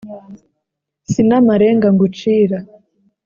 si n’amarenga ngucira